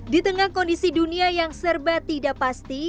di tengah kondisi dunia yang serba tidak pasti